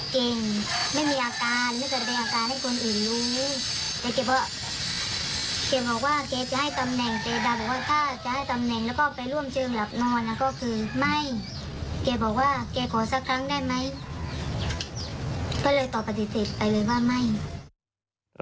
เกียร์บอกว่าเกียร์ขอสักครั้งได้ไหมก็เลยตอบปฏิเสธไปเลยว่าไม่